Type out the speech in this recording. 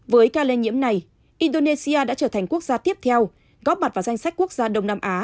với ca lây nhiễm này indonesia đã trở thành quốc gia tiếp theo góp mặt vào danh sách quốc gia đông nam á